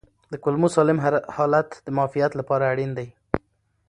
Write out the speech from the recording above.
د کولمو سالم حالت د معافیت لپاره اړین دی.